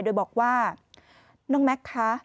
โดยบอกว่าน้องแม็กซ์คะ